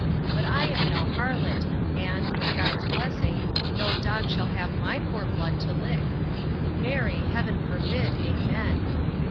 But I am no harlot; and, with God's blessing, no dog shall have my poor blood to lick: marry, Heaven forbid, amen!